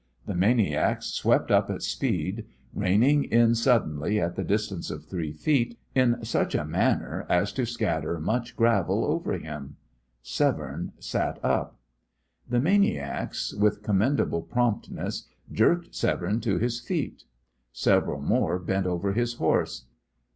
The maniacs swept up at speed, reining in suddenly at the distance of three feet, in such a manner as to scatter much gravel over him. Severne sat up. The maniacs, with commendable promptness, jerked Severne to his feet. Several more bent over his horse.